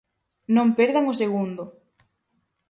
Non perdan o segundo.